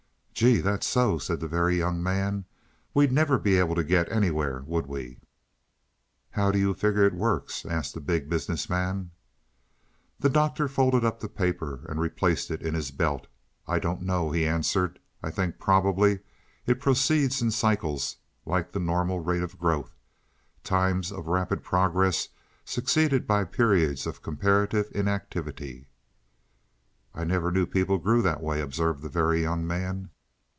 "Gee, that's so," said the Very Young Man. "We'd never be able to get anywhere, would we?" "How do you figure it works?" asked the Big Business Man. The Doctor folded up the paper and replaced it in his belt. "I don't know," he answered. "I think probably it proceeds in cycles, like the normal rate of growth times of rapid progress succeeded by periods of comparative inactivity." "I never knew people grew that way," observed the Very Young Man.